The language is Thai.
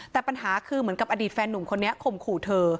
แต่ปัญหาคือเหมือนกับอดีตแฟนหนุ่มคนนี้ข่มขู่เธอ